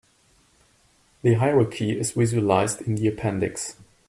The hierarchy is visualized in the appendix.